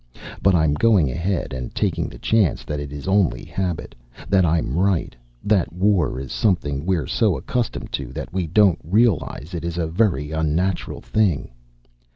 "But I'm going ahead and taking the chance that it is only a habit, that I'm right, that war is something we're so accustomed to that we don't realize it is a very unnatural thing.